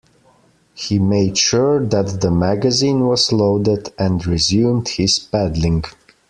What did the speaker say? He made sure that the magazine was loaded, and resumed his paddling.